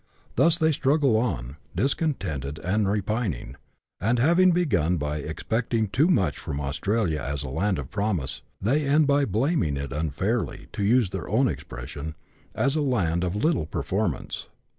Thus they struggle on, discontented and repining ; and having begun by expecting too much from Australia as a land of promise, they end by blaming it unfairly (to use their own expression) as a land of little performance.